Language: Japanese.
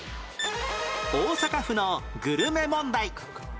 大阪府のグルメ問題